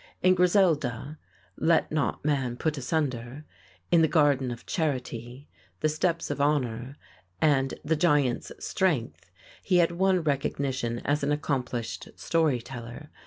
In "Griselda," "Let Not Man Put Asunder," "In the Garden of Charity," "The Steps of Honor," and "The Giant's Strength" he had won recognition as an accomplished story teller.